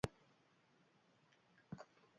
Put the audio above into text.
Hori da gurpilaren oinarrizko printzipioa.